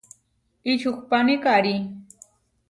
Ičuhpáni karí.